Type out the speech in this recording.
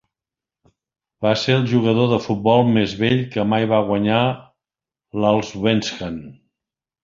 Va ser el jugador de futbol més vell que mai va guanyar l'Allsvenskan.